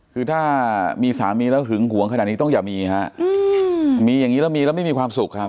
คือถ้ามีสามีแล้วหึงหวงขนาดนี้ต้องอย่ามีฮะมีอย่างนี้แล้วมีแล้วไม่มีความสุขครับ